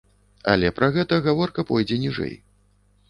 Але пра гэта гаворка пойдзе ніжэй.